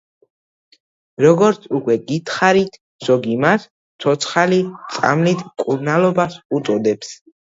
როგორც უკვე გითხარით, ზოგი მას ცოცხალი წამლით მკურნალობას უწოდებს.